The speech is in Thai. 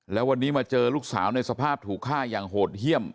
แล้ววันนี้มาเจอลูกสาวในสภาพถูกฆ่าอย่างโหดเยี่ยม